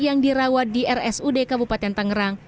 yang dirawat di rs ud kabupaten tangerang